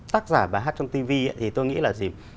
tác giả bài hát trong tv thì tôi nghĩ là gì